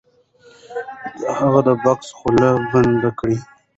هغه د بکس خوله بنده کړه. .